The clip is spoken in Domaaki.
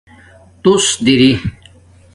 توس دری